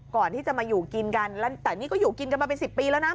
ก่อนที่จะมาอยู่กินกันแล้วแต่นี่ก็อยู่กินกันมาเป็น๑๐ปีแล้วนะ